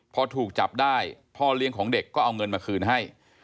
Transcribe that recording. พอถูกจับได้พ่อเลี้ยงของเด็กก็เอาเงินมาคืนให้